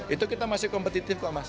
itu kita masih kompetitif kok mas